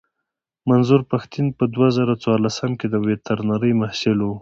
منظور پښتين په دوه زره څوارلسم کې د ويترنرۍ محصل و.